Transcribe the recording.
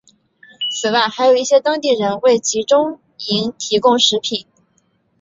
此外还有一些当地人为集中营提供食品。